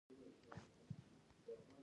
زموږ ژوند یوازې په ښکار او تلویزیون راڅرخیده